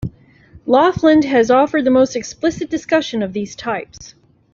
Lofland has offered the most explicit discussion of these types.